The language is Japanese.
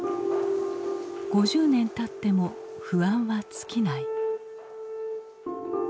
５０年たっても不安は尽きない。